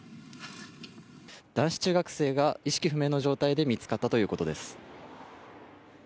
男子中学生が意識不明の状態で見つかったということです。